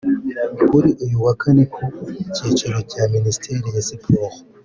kuri uyu wa kane ku cyicaro cya Minisiteri ya Siporo